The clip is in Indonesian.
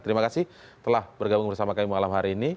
terima kasih telah bergabung bersama kami malam hari ini